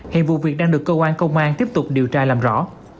hiện vụ việc đang được công an công an tiếp tục điều tra làm rõ